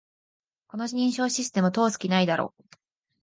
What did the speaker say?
この認証システム、通す気ないだろ